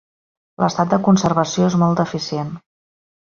L'estat de conservació és molt deficient.